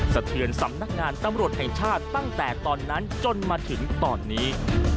สะเทือนสำนักงานตำรวจแห่งชาติตั้งแต่ตอนนั้นจนมาถึงตอนนี้